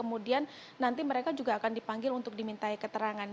kemudian nanti mereka juga akan dipanggil untuk dimintai keterangan